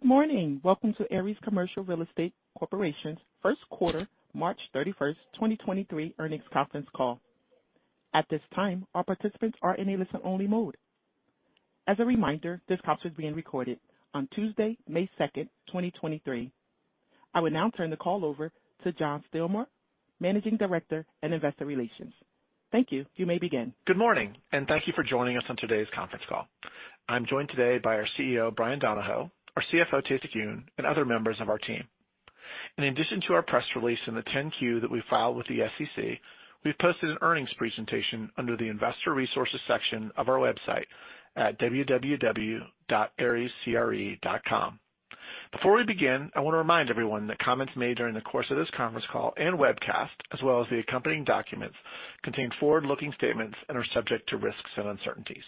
Good morning. Welcome to Ares Commercial Real Estate Corporation's first quarter March 31st, 2023 earnings conference call. At this time, all participants are in a listen-only mode. As a reminder, this call is being recorded on Tuesday, May 2nd, 2023. I would now turn the call over to John Stilmar, Managing Director and Investor Relations. Thank you. You may begin. Good morning, thank you for joining us on today's conference call. I'm joined today by our CEO, Bryan Donohoe, our CFO, Tae-Sik Yoon, and other members of our team. In addition to our press release in the 10-Q that we filed with the SEC, we've posted an earnings presentation under the Investor Resources section of our website at www.arescre.com. Before we begin, I want to remind everyone that comments made during the course of this conference call and webcast, as well as the accompanying documents, contain forward-looking statements and are subject to risks and uncertainties.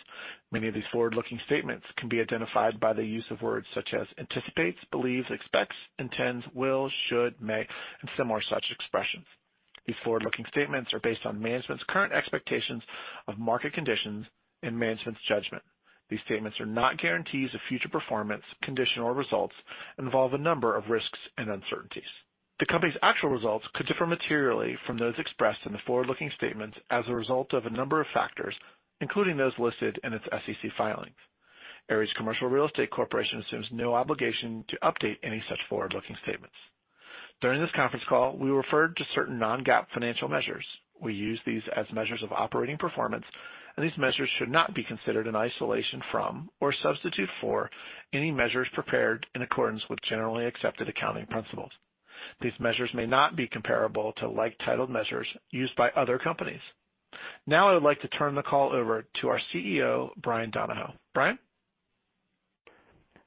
Many of these forward-looking statements can be identified by the use of words such as anticipates, believes, expects, intends, will, should, may, and similar such expressions. These forward-looking statements are based on management's current expectations of market conditions and management's judgment. These statements are not guarantees of future performance, conditions, or results and involve a number of risks and uncertainties. The company's actual results could differ materially from those expressed in the forward-looking statements as a result of a number of factors, including those listed in its SEC filings. Ares Commercial Real Estate Corporation assumes no obligation to update any such forward-looking statements. During this conference call, we will refer to certain non-GAAP financial measures. We use these as measures of operating performance, these measures should not be considered an isolation from or substitute for any measures prepared in accordance with generally accepted accounting principles. These measures may not be comparable to like-titled measures used by other companies. I would like to turn the call over to our CEO, Bryan Donohoe. Bryan?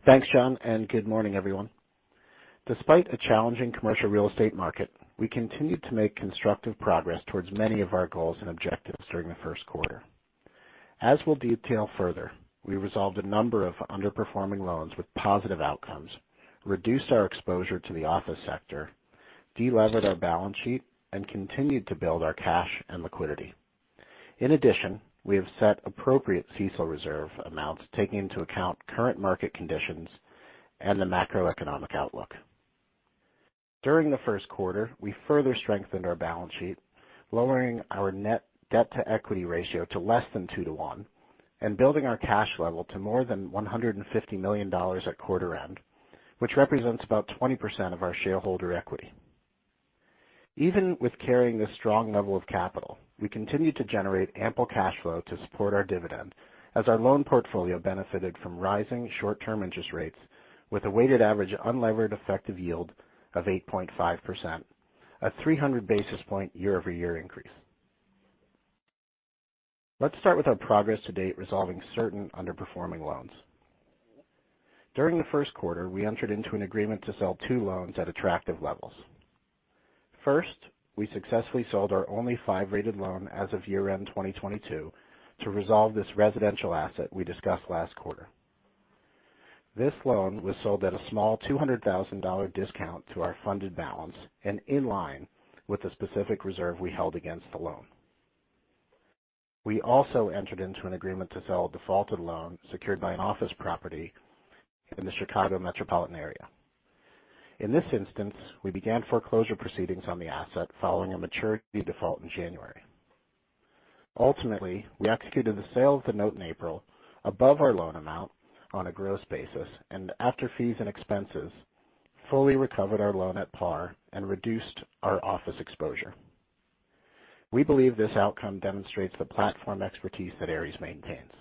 Thanks, John, good morning, everyone. Despite a challenging commercial real estate market, we continued to make constructive progress towards many of our goals and objectives during the first quarter. As we'll detail further, we resolved a number of underperforming loans with positive outcomes, reduced our exposure to the office sector, delevered our balance sheet, and continued to build our cash and liquidity. In addition, we have set appropriate CECL reserve amounts taking into account current market conditions and the macroeconomic outlook. During the first quarter, we further strengthened our balance sheet, lowering our net debt-to-equity ratio to less than two to one and building our cash level to more than $150 million at quarter end, which represents about 20% of our shareholder equity. Even with carrying this strong level of capital, we continued to generate ample cash flow to support our dividend as our loan portfolio benefited from rising short-term interest rates with a weighted average unlevered effective yield of 8.5%, a 300 basis point year-over-year increase. Let's start with our progress to date resolving certain underperforming loans. During the first quarter, we entered into an agreement to sell two loans at attractive levels. First, we successfully sold our only five rated loan as of year-end 2022 to resolve this residential asset we discussed last quarter. This loan was sold at a small $200,000 discount to our funded balance and in line with the specific reserve we held against the loan. We also entered into an agreement to sell a defaulted loan secured by an office property in the Chicago metropolitan area. In this instance, we began foreclosure proceedings on the asset following a maturity default in January. Ultimately, we executed the sale of the note in April above our loan amount on a gross basis and after fees and expenses, fully recovered our loan at par and reduced our office exposure. We believe this outcome demonstrates the platform expertise that Ares maintains.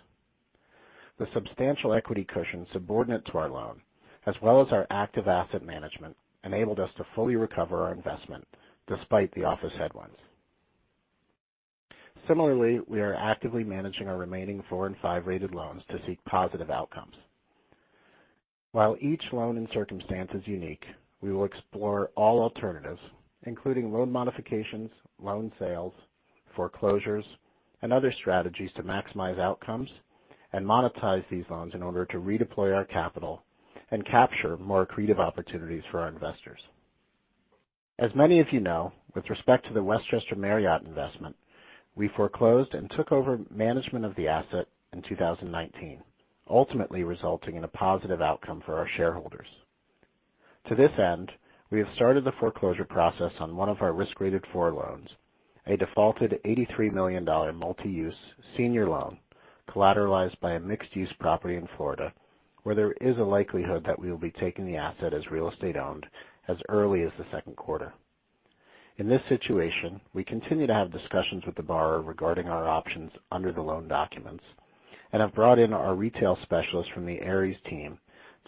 The substantial equity cushion subordinate to our loan, as well as our active asset management, enabled us to fully recover our investment despite the office headwinds. Similarly, we are actively managing our remaining four and five rated loans to seek positive outcomes. While each loan and circumstance is unique, we will explore all alternatives, including loan modifications, loan sales, foreclosures, and other strategies to maximize outcomes and monetize these loans in order to redeploy our capital and capture more accretive opportunities for our investors. As many of you know, with respect to the Westchester Marriott investment, we foreclosed and took over management of the asset in 2019, ultimately resulting in a positive outcome for our shareholders. To this end, we have started the foreclosure process on one of our risk-rated four loans, a defaulted $83 million multi-use senior loan collateralized by a mixed-use property in Florida, where there is a likelihood that we will be taking the asset as real estate owned as early as the second quarter. In this situation, we continue to have discussions with the borrower regarding our options under the loan documents and have brought in our retail specialists from the Ares team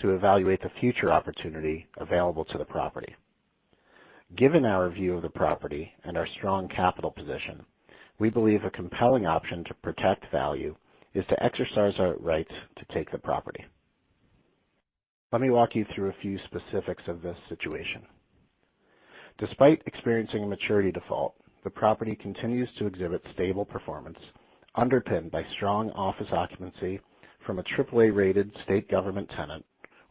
to evaluate the future opportunity available to the property. Given our view of the property and our strong capital position, we believe a compelling option to protect value is to exercise our right to take the property. Let me walk you through a few specifics of this situation. Despite experiencing a maturity default, the property continues to exhibit stable performance underpinned by strong office occupancy from a triple A-rated state government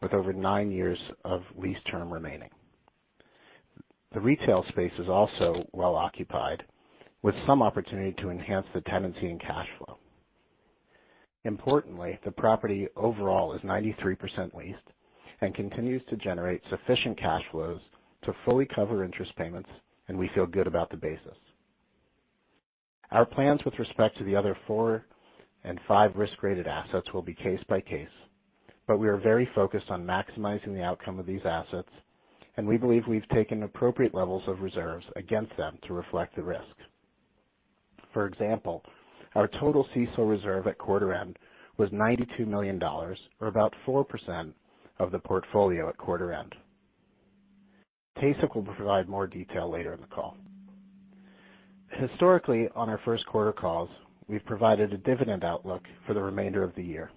tenant with over nine years of lease term remaining. The retail space is also well occupied, with some opportunity to enhance the tenancy and cash flow. Importantly, the property overall is 93% leased and continues to generate sufficient cash flows to fully cover interest payments, and we feel good about the basis. Our plans with respect to the other four and five risk-rated assets will be case by case. We are very focused on maximizing the outcome of these assets, and we believe we've taken appropriate levels of reserves against them to reflect the risk. For example, our total CECL reserve at quarter end was $92 million, or about 4% of the portfolio at quarter end. Tae-Sik will provide more detail later in the call. Historically, on our first quarter calls, we've provided a dividend outlook for the remainder of the year.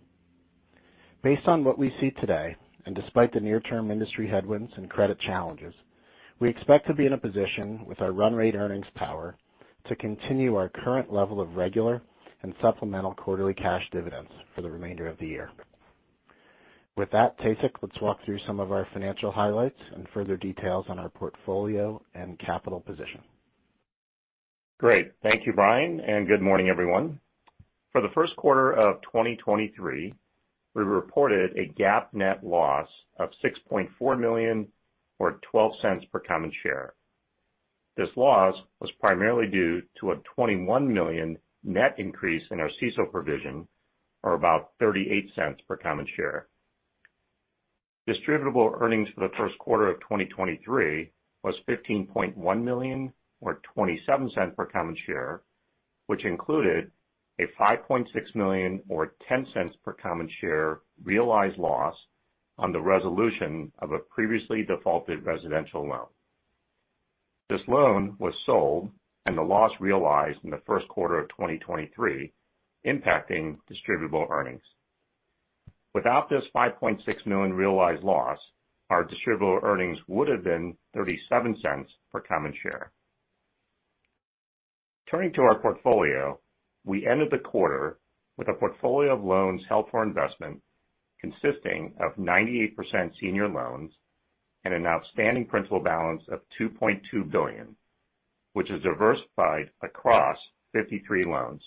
Based on what we see today, and despite the near-term industry headwinds and credit challenges, we expect to be in a position with our run rate earnings power to continue our current level of regular and supplemental quarterly cash dividends for the remainder of the year. With that, Tae-Sik, let's walk through some of our financial highlights and further details on our portfolio and capital position. Great. Thank you, Bryan, and good morning, everyone. For the first quarter of 2023, we reported a GAAP net loss of $6.4 million or $0.12 per common share. This loss was primarily due to a $21 million net increase in our CECL provision, or about $0.38 per common share. Distributable earnings for the first quarter of 2023 was $15.1 million or $0.27 per common share, which included a $5.6 million or $0.10 per common share realized loss on the resolution of a previously defaulted residential loan. This loan was sold and the loss realized in the first quarter of 2023 impacting distributable earnings. Without this $5.6 million realized loss, our distributable earnings would have been $0.37 per common share. Turning to our portfolio, we ended the quarter with a portfolio of loans held for investment consisting of 98% senior loans and an outstanding principal balance of $2.2 billion, which is diversified across 53 loans.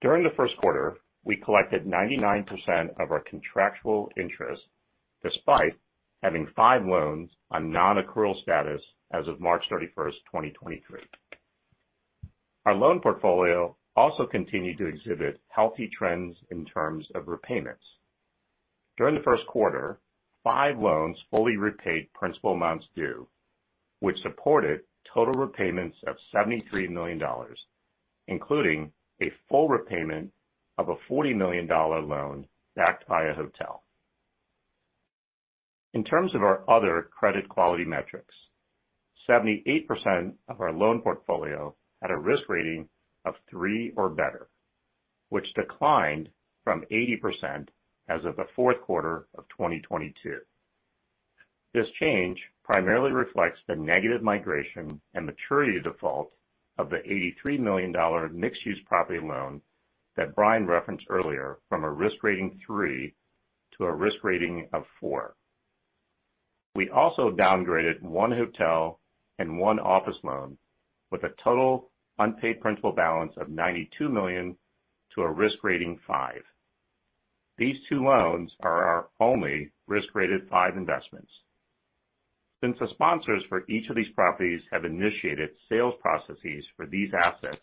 During the first quarter, we collected 99% of our contractual interest despite having five loans on non-accrual status as of March 31st, 2023. Our loan portfolio also continued to exhibit healthy trends in terms of repayments. During the first quarter, five loans fully repaid principal amounts due, which supported total repayments of $73 million, including a full repayment of a $40 million loan backed by a hotel. In terms of our other credit quality metrics, 78% of our loan portfolio had a risk rating of three or better, which declined from 80% as of the fourth quarter of 2022. This change primarily reflects the negative migration and maturity default of the $83 million mixed-use property loan that Bryan referenced earlier from a risk rating three to a risk rating four. We also downgraded 1 hotel and 1 office loan with a total unpaid principal balance of $92 million to a risk rating five. These two loans are our only risk-rated five investments. Since the sponsors for each of these properties have initiated sales processes for these assets,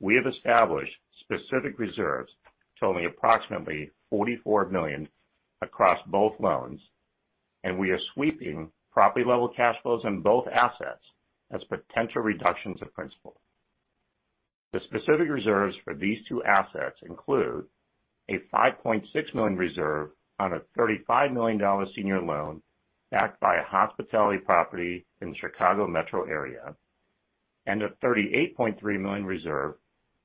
we have established specific reserves totaling approximately $44 million across both loans, and we are sweeping property-level cash flows in both assets as potential reductions of principal. The specific reserves for these two assets include a $5.6 million reserve on a $35 million senior loan backed by a hospitality property in the Chicago metro area, and a $38.3 million reserve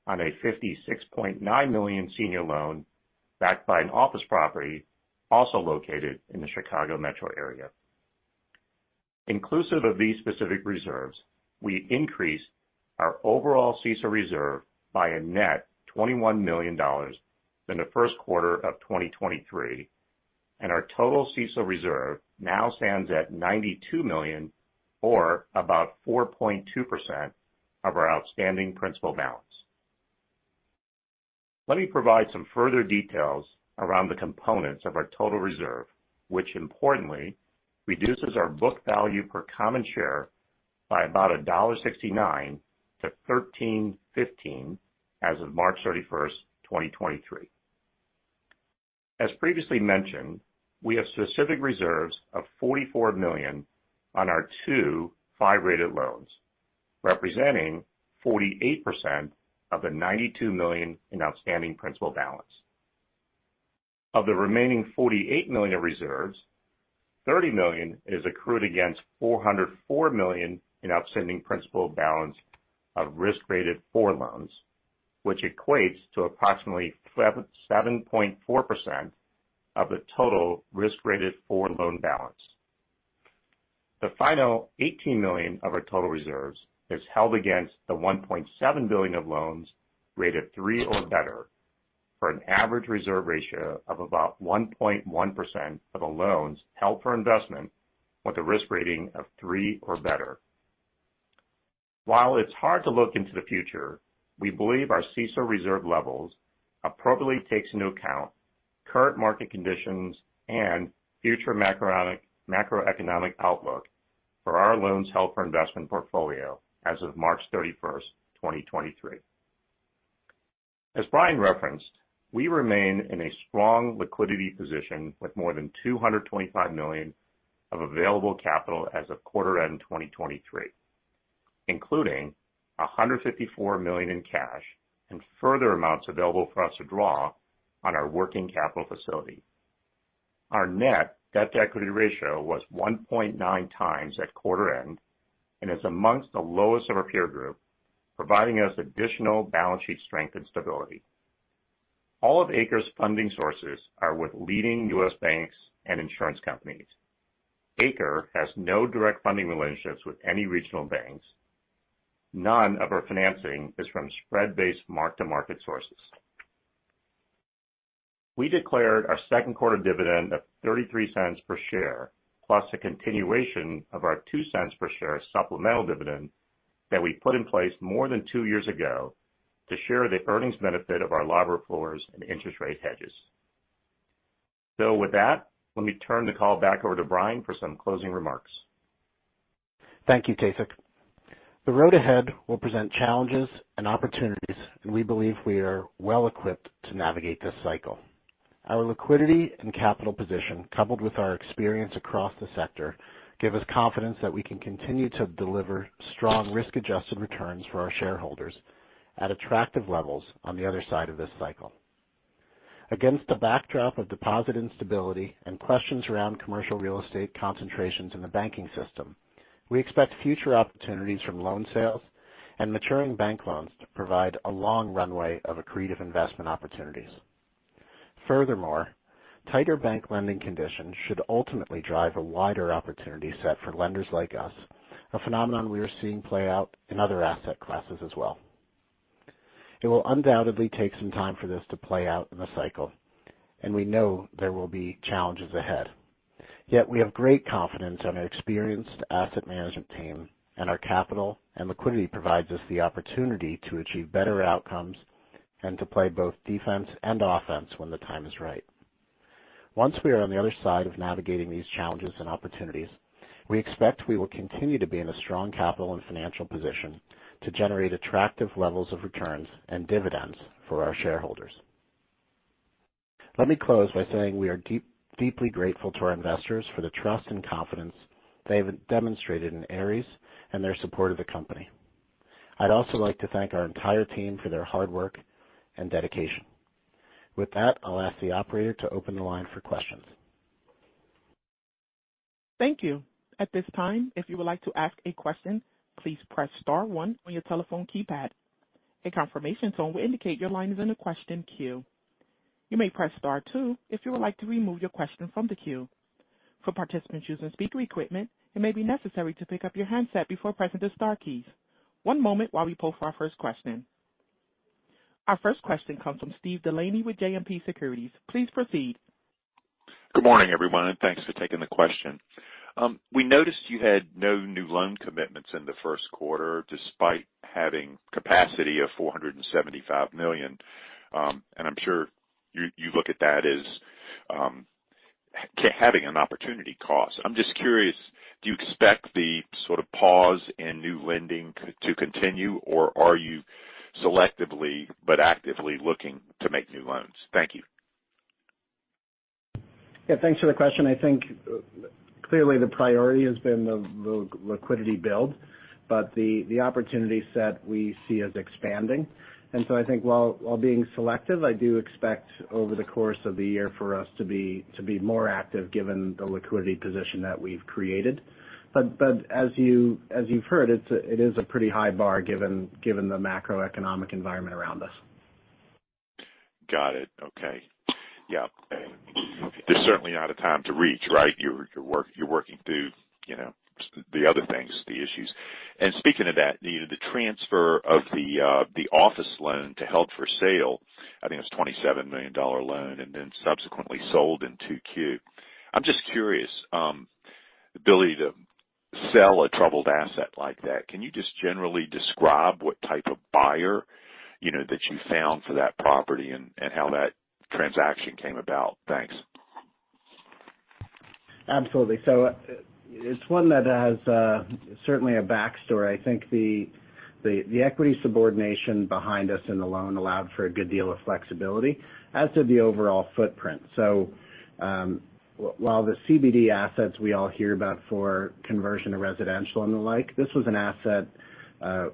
on a $56.9 million senior loan backed by an office property also located in the Chicago metro area. Inclusive of these specific reserves, we increased our overall CECL reserve by a net $21 million in the first quarter of 2023, and our total CECL reserve now stands at $92 million or about 4.2% of our outstanding principal balance. Let me provide some further details around the components of our total reserve, which importantly reduces our book value per common share by about $1.69-$13.15 as of March 31st, 2023. As previously mentioned, we have specific reserves of $44 million on our two five-rated loans, representing 48% of the $92 million in outstanding principal balance. Of the remaining $48 million of reserves, $30 million is accrued against $404 million in outstanding principal balance of risk-rated four loans, which equates to approximately 7.4% of the total risk-rated 4four loan balance. The final $18 million of our total reserves is held against the $1.7 billion of loans rated three or better. For an average reserve ratio of about 1.1% of the loans held for investment with a risk rating of three or better. While it's hard to look into the future, we believe our CECL reserve levels appropriately takes into account current market conditions and future macroeconomic outlook for our loans held for investment portfolio as of March 31st, 2023. As Bryan referenced, we remain in a strong liquidity position with more than $225 million of available capital as of quarter end 2023, including $154 million in cash and further amounts available for us to draw on our working capital facility. Our net debt-to-equity ratio was 1.9x at quarter end and is amongst the lowest of our peer group, providing us additional balance sheet strength and stability. All of ACRE's funding sources are with leading US Banks and insurance companies. ACRE has no direct funding relationships with any regional banks. None of our financing is from spread-based mark-to-market sources. We declared our second quarter dividend of $0.33 per share, plus a continuation of our $0.02 per share supplemental dividend that we put in place more than two years ago to share the earnings benefit of our LIBOR floors and interest rate hedges. With that, let me turn the call back over to Bryan for some closing remarks. Thank you, Tae-Sik. The road ahead will present challenges and opportunities, and we believe we are well equipped to navigate this cycle. Our liquidity and capital position, coupled with our experience across the sector, give us confidence that we can continue to deliver strong risk-adjusted returns for our shareholders at attractive levels on the other side of this cycle. Against the backdrop of deposit instability and questions around commercial real estate concentrations in the banking system, we expect future opportunities from loan sales and maturing bank loans to provide a long runway of accretive investment opportunities. Furthermore, tighter bank lending conditions should ultimately drive a wider opportunity set for lenders like us, a phenomenon we are seeing play out in other asset classes as well. It will undoubtedly take some time for this to play out in the cycle, and we know there will be challenges ahead. We have great confidence in our experienced asset management team, and our capital and liquidity provides us the opportunity to achieve better outcomes and to play both defense and offense when the time is right. Once we are on the other side of navigating these challenges and opportunities, we expect we will continue to be in a strong capital and financial position to generate attractive levels of returns and dividends for our shareholders. Let me close by saying we are deeply grateful to our investors for the trust and confidence they have demonstrated in Ares and their support of the company. I'd also like to thank our entire team for their hard work and dedication. With that, I'll ask the operator to open the line for questions. Thank you. At this time, if you would like to ask a question, please press star one on your telephone keypad. A confirmation tone will indicate your line is in the question queue. You may press star two if you would like to remove your question from the queue. For participants using speaker equipment, it may be necessary to pick up your handset before pressing the star keys. One moment while we poll for our first question. Our first question comes from Steve DeLaney with JMP Securities. Please proceed. Good morning, everyone, thanks for taking the question. We noticed you had no new loan commitments in the first quarter despite having capacity of $475 million. I'm sure you look at that as having an opportunity cost. I'm just curious, do you expect the sort of pause in new lending to continue, or are you selectively but actively looking to make new loans? Thank you. Yeah, thanks for the question. I think clearly the priority has been the liquidity build, but the opportunity set we see as expanding. I think while being selective, I do expect over the course of the year for us to be more active given the liquidity position that we've created. As you've heard, it is a pretty high bar given the macroeconomic environment around us. Got it. Okay. Yeah. This is certainly not a time to reach, right? You're, you're working through, you know, the other things, the issues. Speaking of that, you know, the transfer of the office loan to held for sale, I think it was a $27 million loan, and then subsequently sold in 2Q. I'm just curious, the ability to sell a troubled asset like that, can you just generally describe what type of buyer, you know, that you found for that property and how that transaction came about? Thanks. Absolutely. It's one that has certainly a backstory. I think the equity subordination behind us in the loan allowed for a good deal of flexibility, as did the overall footprint. While the CBD assets we all hear about for conversion to residential and the like, this was an asset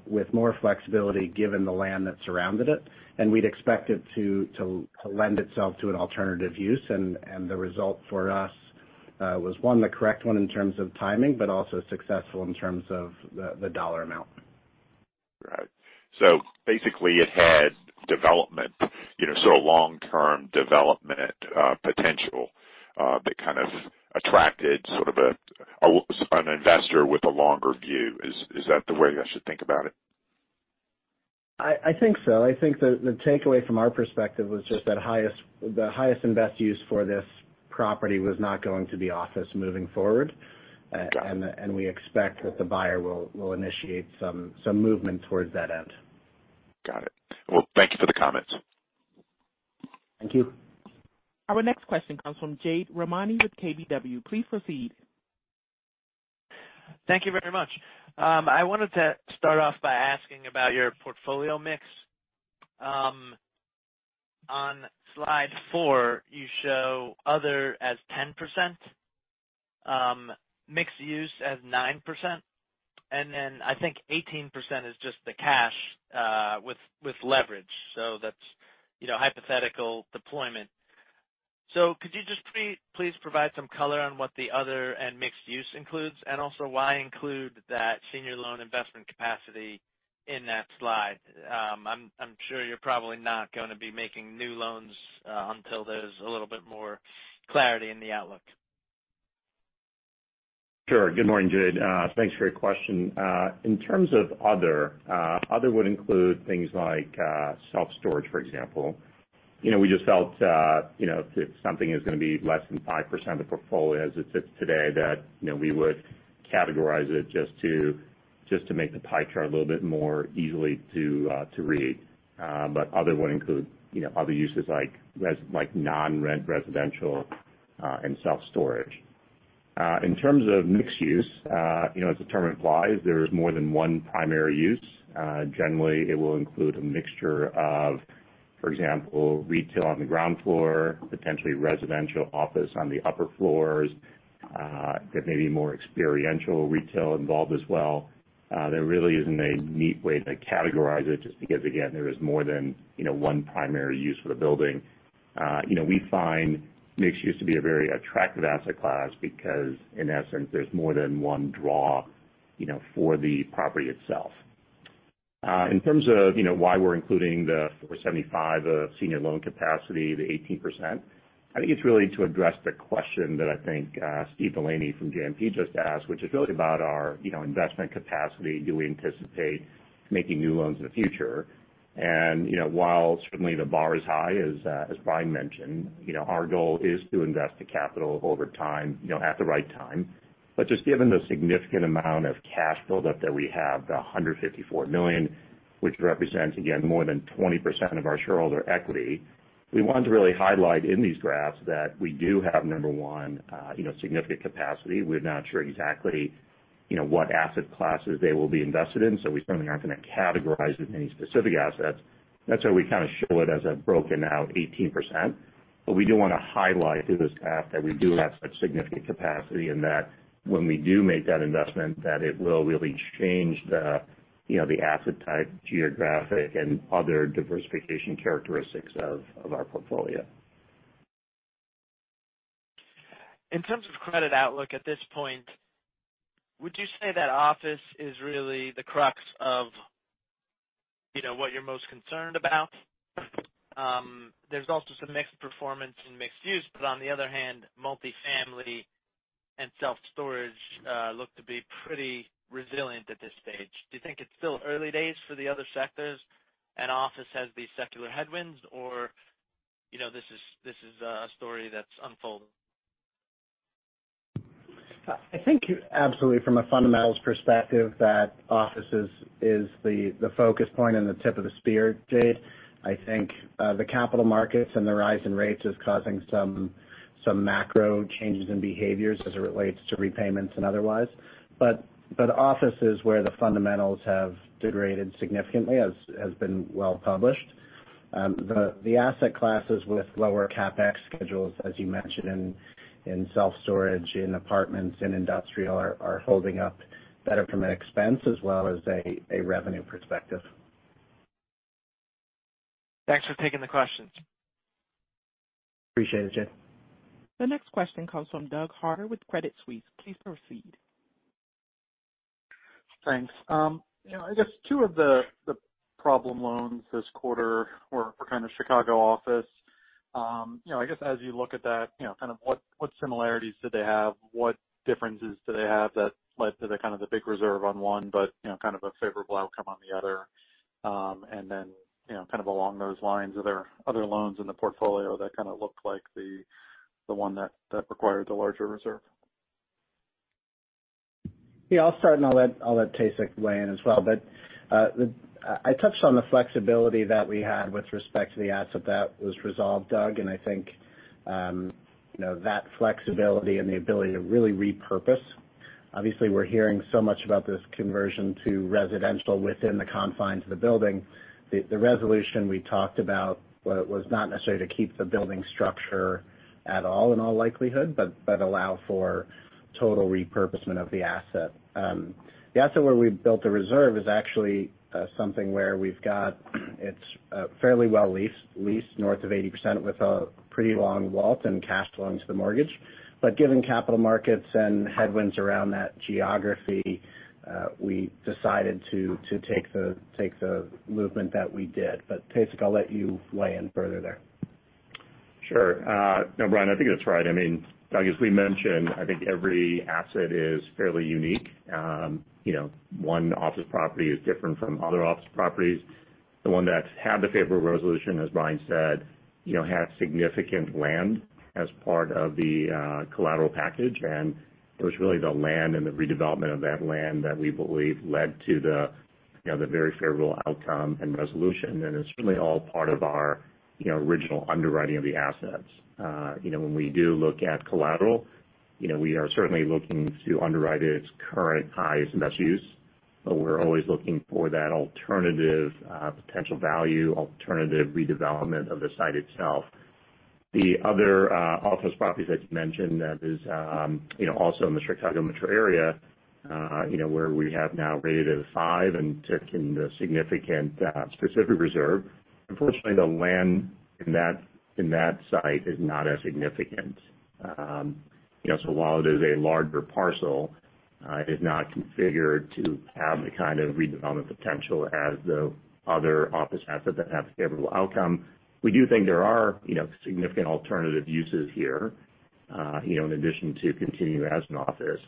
with more flexibility given the land that surrounded it, and we'd expect it to lend itself to an alternative use and the result for us was one, the correct one in terms of timing, but also successful in terms of the dollar amount. Basically it had development, you know, so long-term development, potential, that kind of attracted sort of a, an investor with a longer view. Is that the way I should think about it? I think so. I think the takeaway from our perspective was just that the highest and best use for this property was not going to be office moving forward. Got it. We expect that the buyer will initiate some movement towards that end. Got it. Well, thank you for the comments. Thank you. Our next question comes from Jade Rahmani with KBW. Please proceed. Thank you very much. I wanted to start off by asking about your portfolio mix. On slide four, you show other as 10%, mixed use as 9%, and then I think 18% is just the cash, with leverage. That's, you know, hypothetical deployment. Could you just please provide some color on what the other and mixed use includes, and also why include that senior loan investment capacity in that slide? I'm sure you're probably not gonna be making new loans until there's a little bit more clarity in the outlook. Sure. Good morning, Jade. Thanks for your question. In terms of other would include things like self-storage, for example. You know, we just felt, you know, if something is gonna be less than 5% of the portfolio as it sits today, that, you know, we would categorize it just to make the pie chart a little bit more easily to read. Other would include, you know, other uses like non-rent residential and self-storage. In terms of mixed use, you know, as the term implies, there is more than one primary use. Generally, it will include a mixture of, for example, retail on the ground floor, potentially residential office on the upper floors. There may be more experiential retail involved as well. There really isn't a neat way to categorize it just because again, there is more than, you know, one primary use for the building. You know, we find mixed use to be a very attractive asset class because in essence, there's more than 1 draw, you know, for the property itself. In terms of, you know, why we're including the $475 of senior loan capacity, the 18%, I think it's really to address the question that I think Steve DeLaney from JMP just asked, which is really about our, you know, investment capacity. Do we anticipate making new loans in the future? You know, while certainly the bar is high as Bryan mentioned, you know, our goal is to invest the capital over time, you know, at the right time. Just given the significant amount of cash buildup that we have, the $154 million, which represents, again, more than 20% of our shareholder equity, we wanted to really highlight in these graphs that we do have, number one, you know, significant capacity. We're not sure exactly, you know, what asset classes they will be invested in, so we certainly aren't gonna categorize it any specific assets. That's why we kinda show it as a broken-out 18%. We do wanna highlight through this graph that we do have such significant capacity and that when we do make that investment, that it will really change the, you know, the asset type, geographic, and other diversification characteristics of our portfolio. In terms of credit outlook at this point, would you say that office is really the crux of, you know, what you're most concerned about? There's also some mixed performance in mixed use, on the other hand, multifamily and self-storage, look to be pretty resilient at this stage. Do you think it's still early days for the other sectors and office has these secular headwinds, or, you know, this is a story that's unfolding? I think absolutely from a fundamentals perspective that office is the focus point and the tip of the spear, Jade. I think the capital markets and the rise in rates is causing some macro changes in behaviors as it relates to repayments and otherwise. Office is where the fundamentals have degraded significantly, as been well-published. The asset classes with lower CapEx schedules, as you mentioned in self-storage, in apartments, in industrial are holding up better from an expense as well as a revenue perspective. Thanks for taking the questions. Appreciate it, Jade. The next question comes from Doug Harter with Credit Suisse. Please proceed. Thanks. You know, I guess two of the problem loans this quarter were kind of Chicago office. You know, I guess as you look at that, you know, kind of what similarities did they have? What differences do they have that led to the kind of the big reserve on one, but, you know, kind of a favorable outcome on the other? Then, you know, kind of along those lines, are there other loans in the portfolio that kind of look like the one that required the larger reserve? Yeah, I'll start and I'll let, I'll let Tae-Sik weigh in as well. I touched on the flexibility that we had with respect to the asset that was resolved, Doug, and I think, you know, that flexibility and the ability to really repurpose. Obviously, we're hearing so much about this conversion to residential within the confines of the building. The resolution we talked about was not necessarily to keep the building structure at all in all likelihood, but allow for total repurposement of the asset. The asset where we built the reserve is actually something where we've got it's fairly well leased north of 80% with a pretty long vault and cash along to the mortgage. Given capital markets and headwinds around that geography, we decided to take the movement that we did. Tae-Sik, I'll let you weigh in further there. Sure. No, Bryan, I think that's right. I mean, Doug, as we mentioned, I think every asset is fairly unique. You know, one office property is different from other office properties. The one that's had the favorable resolution, as Bryan said, you know, has significant land as part of the collateral package. It was really the land and the redevelopment of that land that we believe led to the, you know, the very favorable outcome and resolution, and it's really all part of our, you know, original underwriting of the assets. You know, when we do look at collateral, you know, we are certainly looking to underwrite its current highest and best use, but we're always looking for that alternative, potential value, alternative redevelopment of the site itself. The other office properties that you mentioned that is, you know, also in the Chicago metro area, you know, where we have now rated a five and taking the significant specific reserve. Unfortunately, the land in that site is not as significant. You know, while it is a larger parcel, it is not configured to have the kind of redevelopment potential as the other office asset that had a favorable outcome. We do think there are, you know, significant alternative uses here, you know, in addition to continue as an office.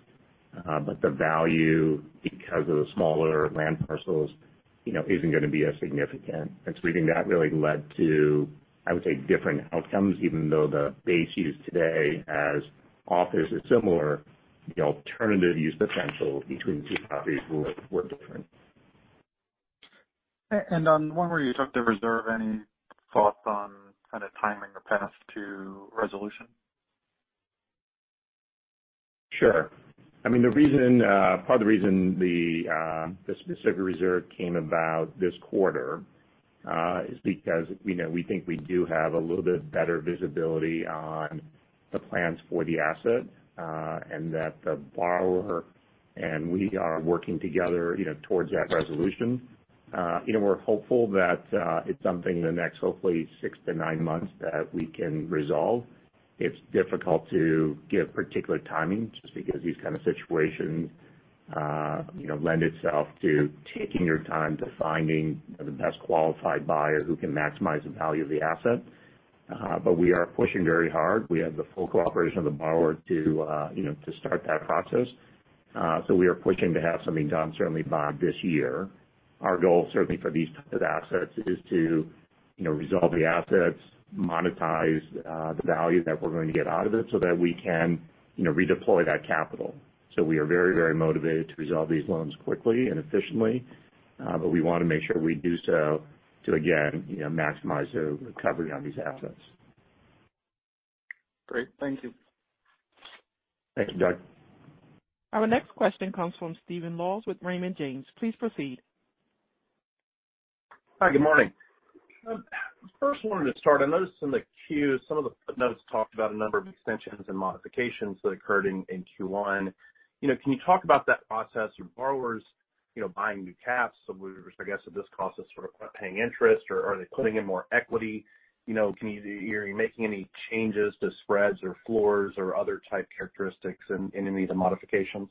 The value because of the smaller land parcels, you know, isn't gonna be as significant. We think that really led to, I would say, different outcomes even though the base use today as office is similar, the alternative use potential between two properties were different. On one where you took the reserve, any thoughts on kind of timing the path to resolution? Sure. I mean, the reason, part of the reason the specific reserve came about this quarter, is because, you know, we think we do have a little bit better visibility on the plans for the asset, and that the borrower and we are working together, you know, towards that resolution. You know, we're hopeful that, it's something in the next hopefully six to nine months that we can resolve. It's difficult to give particular timing just because these kind of situations, you know, lend itself to taking your time to finding the best qualified buyer who can maximize the value of the asset. We are pushing very hard. We have the full cooperation of the borrower to, you know, to start that process. We are pushing to have something done certainly by this year. Our goal certainly for these types of assets is to, you know, resolve the assets, monetize the value that we're going to get out of it so that we can, you know, redeploy that capital. We are very, very motivated to resolve these loans quickly and efficiently, but we wanna make sure we do so to again, you know, maximize the recovery on these assets. Great. Thank you. Thank you, Doug. Our next question comes from Stephen Laws with Raymond James. Please proceed. Hi. Good morning. First wanted to start, I noticed in the 10-Q, some of the notes talked about a number of extensions and modifications that occurred in Q1. You know, can you talk about that process? Are borrowers, you know, buying new caps? I guess at this cost is sort of paying interest or are they putting in more equity? You know, are you making any changes to spreads or floors or other type characteristics in any of the modifications?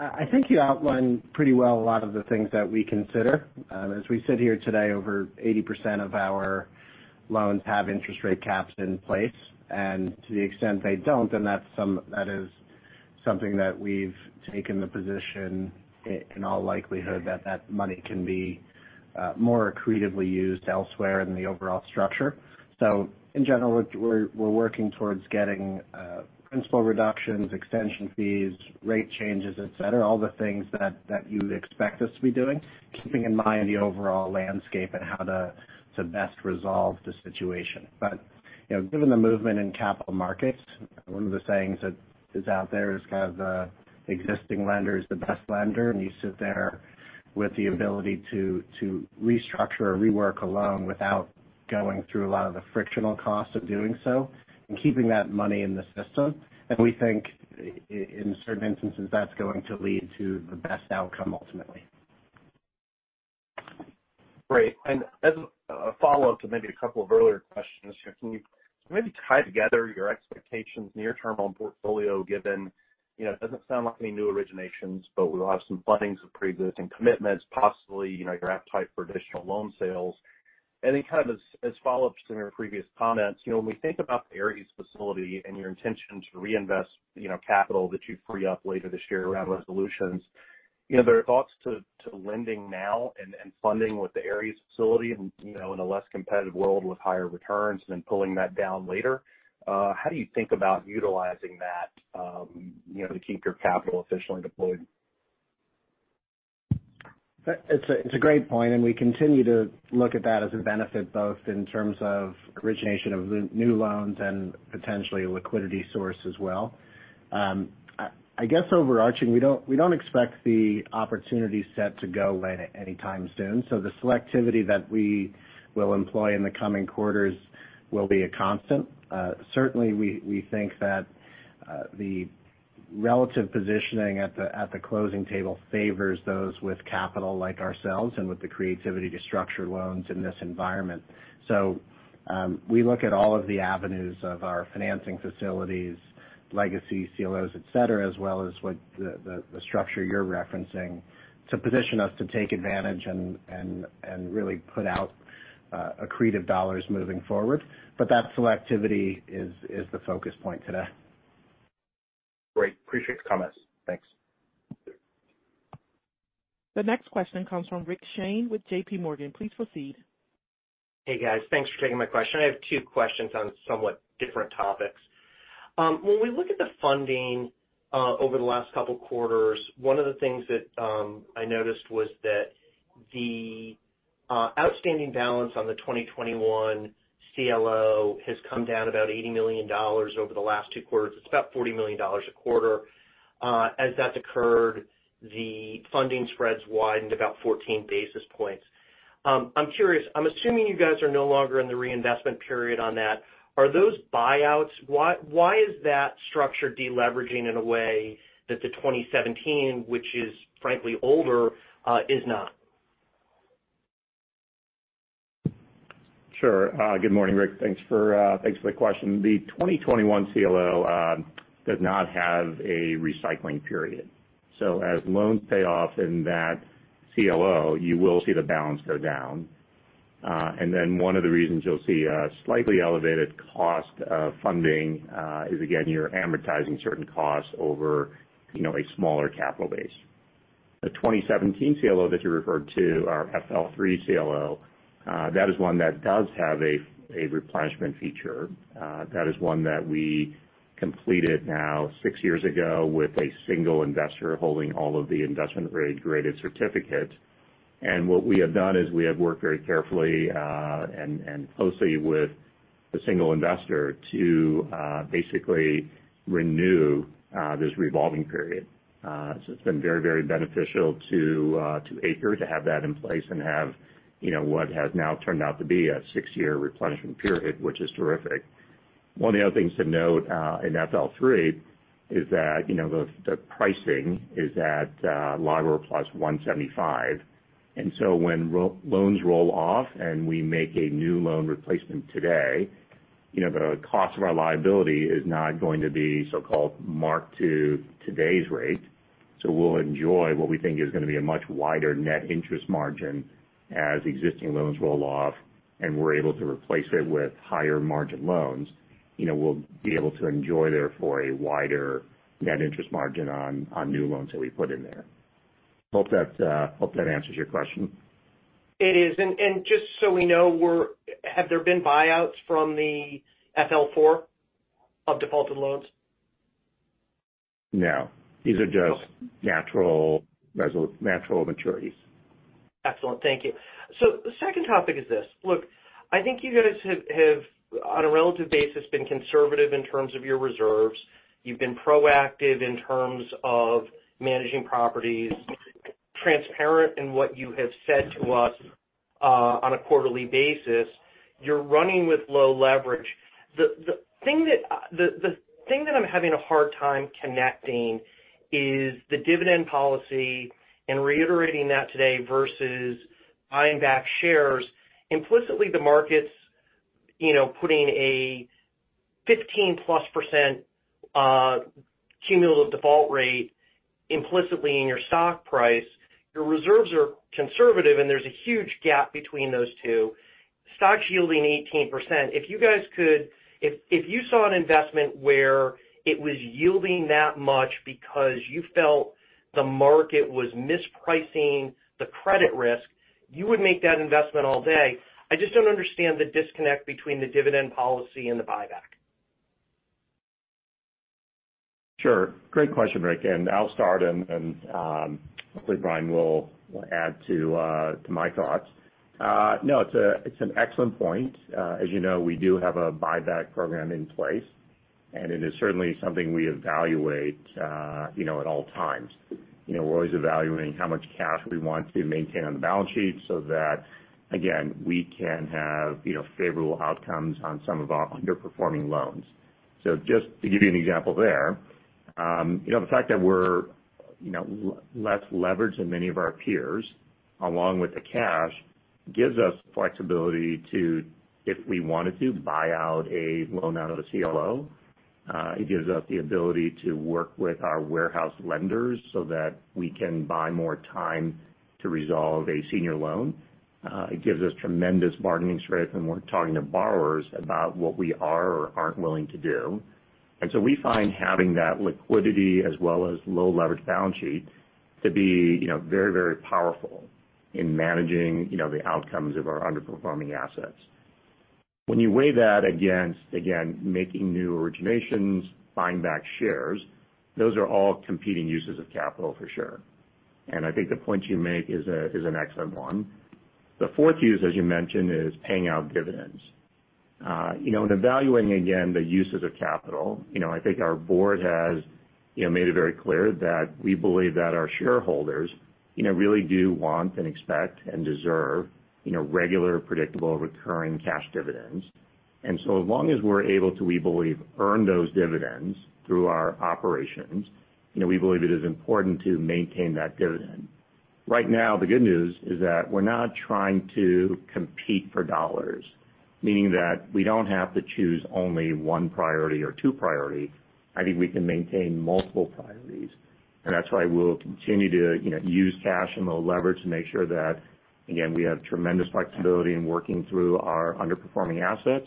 I think you outlined pretty well a lot of the things that we consider. As we sit here today, over 80% of our loans have interest rate caps in place. To the extent they don't, that is something that we've taken the position in all likelihood that that money can be more accretively used elsewhere in the overall structure. In general, we're working towards getting principal reductions, extension fees, rate changes, et cetera, all the things that you'd expect us to be doing, keeping in mind the overall landscape and how to best resolve the situation. You know, given the movement in capital markets, one of the sayings that is out there is kind of the existing lender is the best lender, and you sit there with the ability to restructure or rework a loan without going through a lot of the frictional costs of doing so and keeping that money in the system. We think in certain instances, that's going to lead to the best outcome ultimately. Great. As a follow-up to maybe a couple of earlier questions here, can you maybe tie together your expectations near term on portfolio given, you know, it doesn't sound like any new originations, but we'll have some fundings of pre-existing commitments, possibly, you know, your appetite for additional loan sales. Any kind of as follow-ups to your previous comments, you know, when we think about the Ares facility and your intention to reinvest, you know, capital that you free up later this year around resolutions, you know, there are thoughts to lending now and funding with the Ares facility and, you know, in a less competitive world with higher returns and then pulling that down later. How do you think about utilizing that, you know, to keep your capital efficiently deployed? It's a great point, and we continue to look at that as a benefit, both in terms of origination of new loans and potentially a liquidity source as well. I guess overarching, we don't expect the opportunity set to go away anytime soon. The selectivity that we will employ in the coming quarters will be a constant. Certainly we think that the relative positioning at the closing table favors those with capital like ourselves and with the creativity to structure loans in this environment. We look at all of the avenues of our financing facilities, legacy CLOs, et cetera, as well as what the structure you're referencing to position us to take advantage and really put out accretive dollars moving forward. That selectivity is the focus point today. Great. Appreciate the comments. Thanks. The next question comes from Rick Shane with JP Morgan. Please proceed. Hey, guys. Thanks for taking my question. I have two questions on somewhat different topics. When we look at the funding over the last couple quarters, one of the things that I noticed was that the outstanding balance on the 2021 CLO has come down about $80 million over the last two quarters. It's about $40 million a quarter. As that's occurred, the funding spreads widened about 14 basis points. I'm curious, I'm assuming you guys are no longer in the reinvestment period on that. Are those buyouts? Why is that structure de-leveraging in a way that the 2017, which is frankly older, is not? Sure. Good morning, Rick. Thanks for thanks for the question. The 2021 CLO does not have a recycling period. As loans pay off in that CLO, you will see the balance go down. One of the reasons you'll see a slightly elevated cost of funding is again, you're amortizing certain costs over, you know, a smaller capital base. The 2017 CLO that you referred to, our FL3 CLO, that is one that does have a replenishment feature. That is one that we completed now six years ago with a single investor holding all of the investment-grade graded certificate. What we have done is we have worked very carefully and closely with the single investor to basically renew this revolving period. So it's been very, very beneficial to ACRE to have that in place and have, you know, what has now turned out to be a six-year replenishment period, which is terrific. One of the other things to note, in FL3 is that, you know, the pricing is at LIBOR plus 175. When loans roll off and we make a new loan replacement today, you know, the cost of our liability is not going to be so-called marked to today's rate. We'll enjoy what we think is gonna be a much wider net interest margin as existing loans roll off, and we're able to replace it with higher margin loans. You know, we'll be able to enjoy therefore a wider net interest margin on new loans that we put in there. Hope that answers your question. It is. Just so we know, have there been buyouts from the FL4 of defaulted loans? No. These are just natural maturities. Excellent. Thank you. The second topic is this. I think you guys have, on a relative basis, been conservative in terms of your reserves. You've been proactive in terms of managing properties, transparent in what you have said to us on a quarterly basis. You're running with low leverage. The thing that, the thing that I'm having a hard time connecting is the dividend policy and reiterating that today versus buying back shares. Implicitly, the market's, you know, putting a 15+% cumulative default rate implicitly in your stock price. Your reserves are conservative, and there's a huge gap between those two. Stock's yielding 18%. If you saw an investment where it was yielding that much because you felt the market was mispricing the credit risk, you would make that investment all day. I just don't understand the disconnect between the dividend policy and the buyback. Sure. Great question, Rick. I'll start and hopefully Brian will add to my thoughts. No, it's an excellent point. As you know, we do have a buyback program in place, it is certainly something we evaluate, you know, at all times. You know, we're always evaluating how much cash we want to maintain on the balance sheet so that, again, we can have, you know, favorable outcomes on some of our underperforming loans. Just to give you an example there, you know, the fact that we're, you know, less leveraged than many of our peers, along with the cash, gives us flexibility to, if we wanted to, buy out a loan out of a CLO. It gives us the ability to work with our warehouse lenders so that we can buy more time to resolve a senior loan. It gives us tremendous bargaining strength when we're talking to borrowers about what we are or aren't willing to do. We find having that liquidity as well as low-leveraged balance sheet to be, you know, very, very powerful in managing, you know, the outcomes of our underperforming assets. When you weigh that against, again, making new originations, buying back shares, those are all competing uses of capital for sure. I think the point you make is an excellent one. The fourth use, as you mentioned, is paying out dividends. You know, in evaluating, again, the uses of capital, you know, I think our board has, you know, made it very clear that we believe that our shareholders, you know, really do want and expect and deserve, you know, regular, predictable, recurring cash dividends. As long as we're able to, we believe, earn those dividends through our operations, you know, we believe it is important to maintain that dividend. Right now, the good news is that we're not trying to compete for dollars, meaning that we don't have to choose only one priority or two priority. I think we can maintain multiple priorities, and that's why we'll continue to, you know, use cash and low leverage to make sure that, again, we have tremendous flexibility in working through our underperforming assets,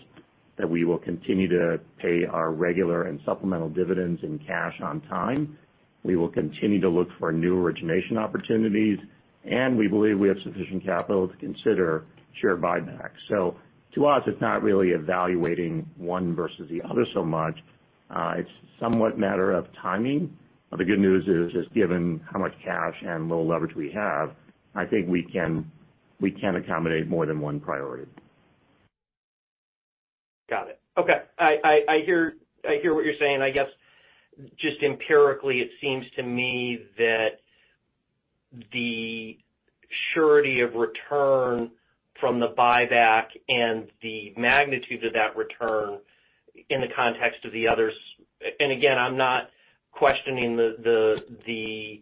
that we will continue to pay our regular and supplemental dividends in cash on time. We will continue to look for new origination opportunities, and we believe we have sufficient capital to consider share buybacks. To us, it's not really evaluating one versus the other so much. It's somewhat matter of timing. The good news is, just given how much cash and low leverage we have, I think we can, we can accommodate more than one priority. Got it. Okay. I hear what you're saying. I guess just empirically, it seems to me that the surety of return from the buyback and the magnitude of that return in the context of the others. Again, I'm not questioning the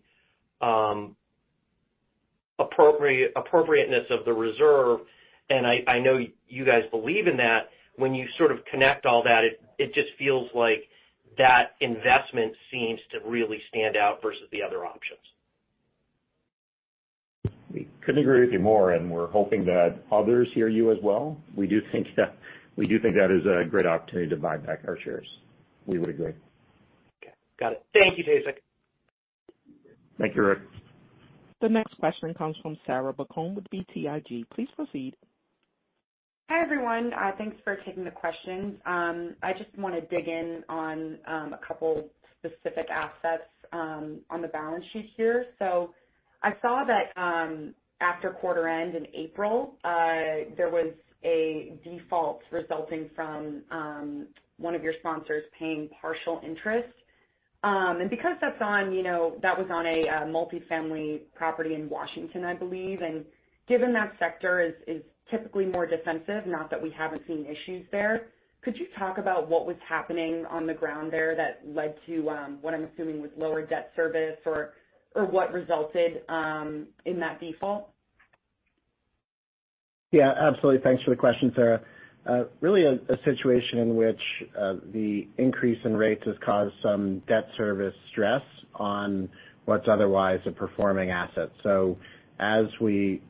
appropriateness of the reserve, and I know you guys believe in that. When you sort of connect all that, it just feels like that investment seems to really stand out versus the other options. We couldn't agree with you more, and we're hoping that others hear you as well. We do think that is a great opportunity to buy back our shares. We would agree. Okay, got it. Thank you, Tae-Sik. Thank you, Rick. The next question comes from Sarah Barcomb with BTIG. Please proceed. Hi, everyone. thanks for taking the questions. I just wanna dig in on a couple specific assets on the balance sheet here. I saw that after quarter end in April, there was a default resulting from one of your sponsors paying partial interest. Because that's on, you know, that was on a multifamily property in Washington, I believe, and given that sector is typically more defensive, not that we haven't seen issues there. Could you talk about what was happening on the ground there that led to what I'm assuming was lower debt service or what resulted in that default? Yeah, absolutely. Thanks for the question, Sarah. Really a situation in which the increase in rates has caused some debt service stress on what's otherwise a performing asset. As we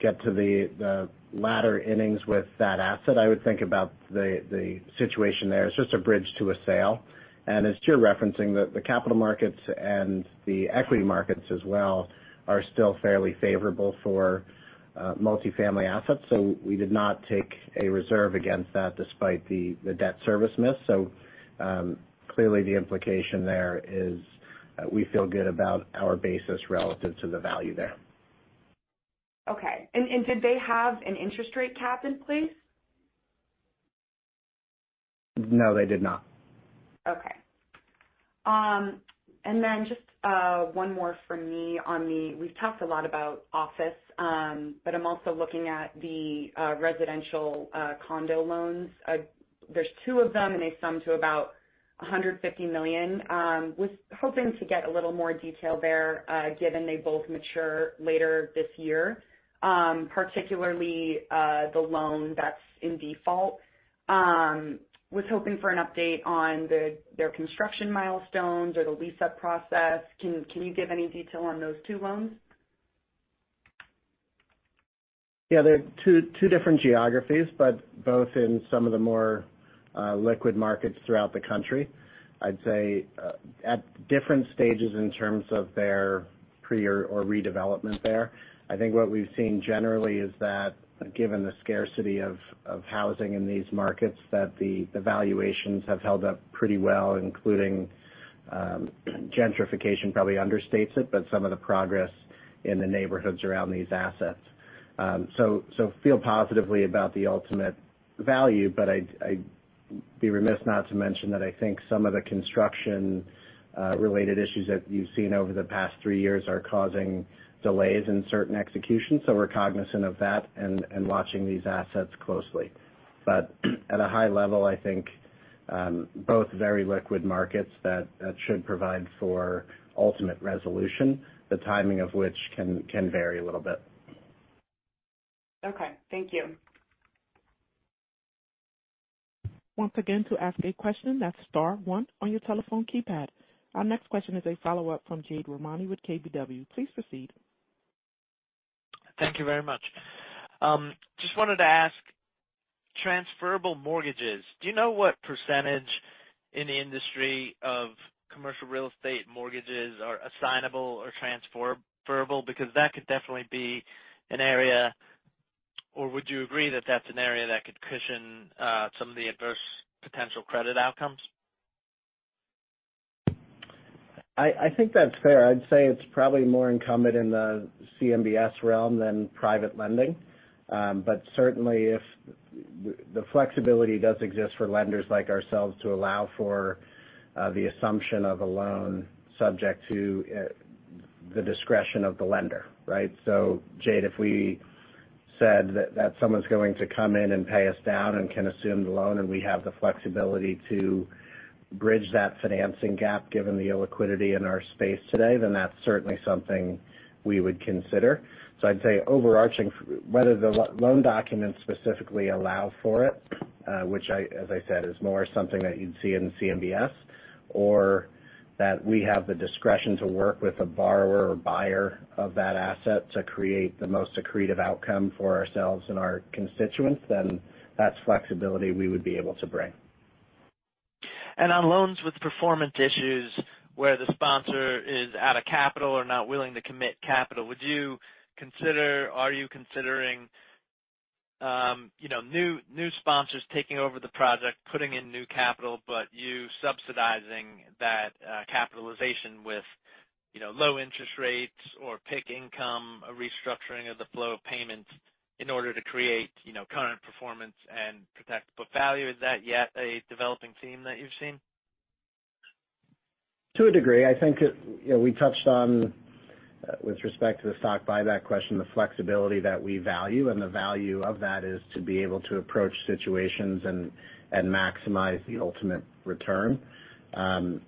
get to the latter innings with that asset, I would think about the situation there. It's just a bridge to a sale. As to your referencing, the capital markets and the equity markets as well are still fairly favorable for multifamily assets. We did not take a reserve against that despite the debt service miss. Clearly the implication there is that we feel good about our basis relative to the value there. Okay. Did they have an interest rate cap in place? No, they did not. Okay. Just one more for me on the... We've talked a lot about office, I'm also looking at the residential condo loans. There's two of them, they sum to about $150 million. Was hoping to get a little more detail there given they both mature later this year, particularly the loan that's in default. Was hoping for an update on their construction milestones or the lease-up process. Can you give any detail on those two loans? Yeah. They're two different geographies, both in some of the more liquid markets throughout the country. I'd say, at different stages in terms of their pre or redevelopment there. I think what we've seen generally is that given the scarcity of housing in these markets, that the valuations have held up pretty well, including gentrification probably understates it, some of the progress in the neighborhoods around these assets. So feel positively about the ultimate value, but I'd be remiss not to mention that I think some of the construction related issues that you've seen over the past three years are causing delays in certain execution. We're cognizant of that and watching these assets closely. At a high level, I think, both very liquid markets that should provide for ultimate resolution, the timing of which can vary a little bit. Okay, thank you. Once again, to ask a question, that's star one on your telephone keypad. Our next question is a follow-up from Jade Rahmani with KBW. Please proceed. Thank you very much. Just wanted to ask, transferable mortgages, do you know what % in the industry of commercial real estate mortgages are assignable or transferable? That could definitely be an area, or would you agree that that's an area that could cushion some of the adverse potential credit outcomes? I think that's fair. I'd say it's probably more incumbent in the CMBS realm than private lending. Certainly if the flexibility does exist for lenders like ourselves to allow for the assumption of a loan subject to the discretion of the lender, right? Jade, if we said that someone's going to come in and pay us down and can assume the loan, and we have the flexibility to bridge that financing gap, given the illiquidity in our space today, then that's certainly something we would consider. I'd say overarching, whether the loan documents specifically allow for it, which I, as I said, is more something that you'd see in CMBS or that we have the discretion to work with a borrower or buyer of that asset to create the most accretive outcome for ourselves and our constituents, then that's flexibility we would be able to bring. On loans with performance issues where the sponsor is out of capital or not willing to commit capital, Are you considering, you know, new sponsors taking over the project, putting in new capital, but you subsidizing that capitalization with, you know, low interest rates or PIK income or restructuring of the flow of payments in order to create, you know, current performance and protect book value? Is that yet a developing theme that you've seen? To a degree. I think it, you know, we touched on, with respect to the stock buyback question, the flexibility that we value and the value of that is to be able to approach situations and maximize the ultimate return. And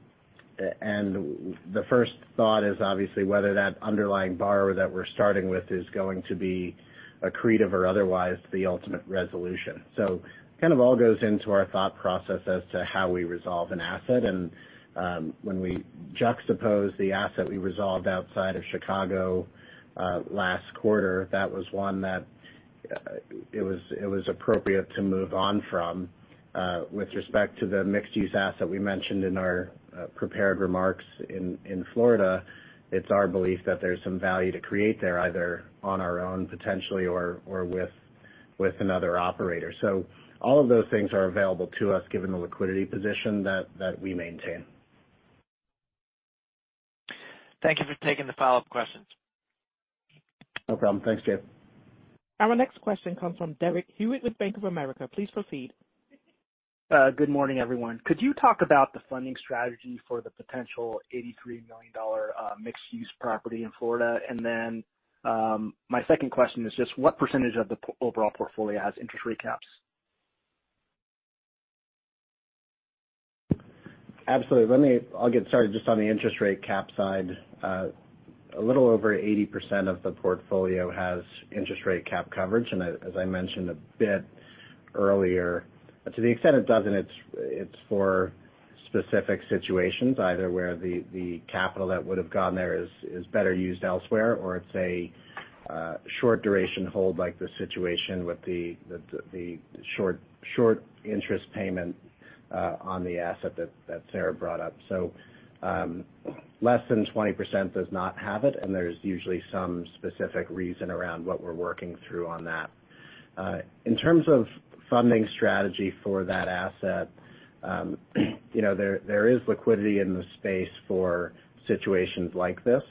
the first thought is obviously whether that underlying borrower that we're starting with is going to be accretive or otherwise the ultimate resolution. Kind of all goes into our thought process as to how we resolve an asset. When we juxtapose the asset we resolved outside of Chicago, last quarter, that was one that, it was appropriate to move on from. With respect to the mixed-use asset we mentioned in our prepared remarks in Florida, it's our belief that there's some value to create there, either on our own, potentially or with another operator. All of those things are available to us given the liquidity position that we maintain. Thank you for taking the follow-up questions. No problem. Thanks, Jay. Our next question comes from Derek Hewett with Bank of America. Please proceed. Good morning, everyone. Could you talk about the funding strategy for the potential $83 million mixed-use property in Florida? My second question is just what % of the overall portfolio has interest rate caps? Absolutely. Let me I'll get started just on the interest rate cap side. A little over 80% of the portfolio has interest rate cap coverage, and as I mentioned a bit earlier, to the extent it doesn't, it's for specific situations, either where the capital that would have gone there is better used elsewhere or it's a short duration hold like the situation with the short interest payment on the asset that Sarah brought up. Less than 20% does not have it, and there's usually some specific reason around what we're working through on that. In terms of funding strategy for that asset, you know, there is liquidity in the space for situations like this.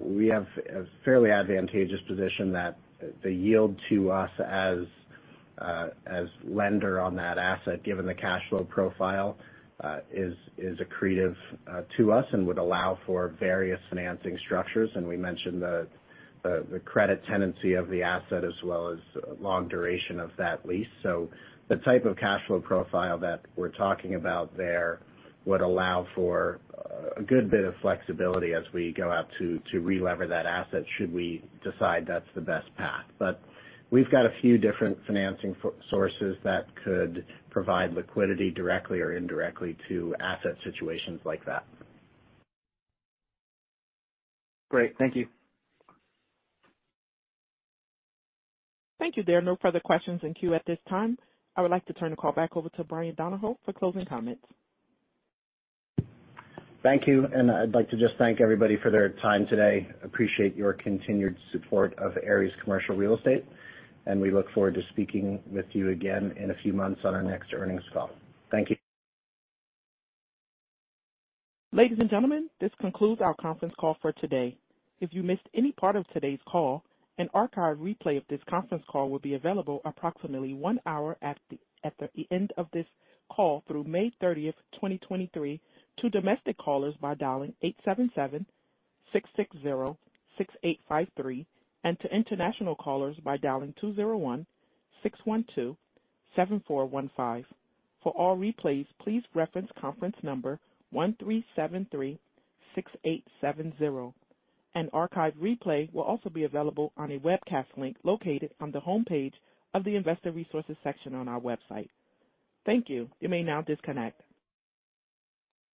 We have a fairly advantageous position that the yield to us as lender on that asset, given the cash flow profile, is accretive to us and would allow for various financing structures. We mentioned the credit tenancy of the asset as well as long duration of that lease. The type of cash flow profile that we're talking about there would allow for a good bit of flexibility as we go out to relever that asset should we decide that's the best path. We've got a few different financing sources that could provide liquidity directly or indirectly to asset situations like that. Great. Thank you. Thank you. There are no further questions in queue at this time. I would like to turn the call back over to Bryan Donohoe for closing comments. Thank you. I'd like to just thank everybody for their time today. Appreciate your continued support of Ares Commercial Real Estate, and we look forward to speaking with you again in a few months on our next earnings call. Thank you. Ladies and gentlemen, this concludes our conference call for today. If you missed any part of today's call, an archived replay of this conference call will be available approximately one hour at the end of this call through May 30th, 2023 to domestic callers by dialing 877-660-6853 and to international callers by dialing 201-612-7415. For all replays, please reference conference number 13736870. An archived replay will also be available on a webcast link located on the homepage of the Investor Resources section on our website. Thank you. You may now disconnect.